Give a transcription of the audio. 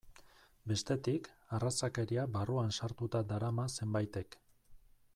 Bestetik, arrazakeria barruan sartuta darama zenbaitek.